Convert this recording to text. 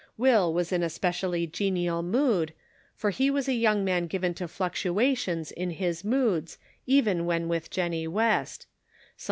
Will was in a specially genial mood, for he was a young man given to fluctuations in his moods even when with Jennie West; some 270 The Pocket Measure.